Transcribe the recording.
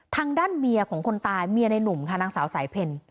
ทางด้านเมียของคนตายเมียในหนุ่มค่ะนางสาวสายเพล